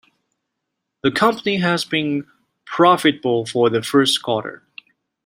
The company has been profitable for the first quarter.